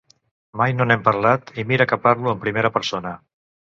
Mai no n’hem parlat, i mira que parlo en primera persona.